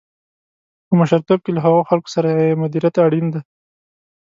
په مشرتوب کې له هغو خلکو سره یې مديريت اړين دی.